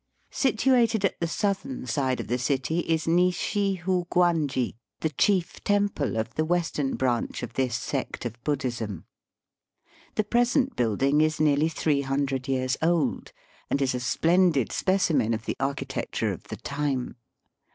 Situated at the southern side of the city is Nishi Hou Gwan ji, the chief temple of the western branch of this sect of Buddhism. The present building is nearly three hundred years old, and is a splendid specimen of the architecture of the time.